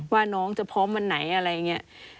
ว่าน้องจะพร้อมวันไหนอะไรอย่างนี้